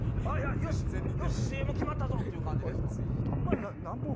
よしＣＭ決まったぞ！っていう感じですか？